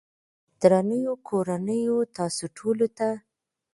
درنو کورنيو تاسو ټولو ته